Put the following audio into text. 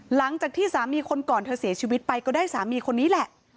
หลังจากที่สามีคนก่อนเธอเสียชีวิตไปก็ได้สามีคนนี้แหละ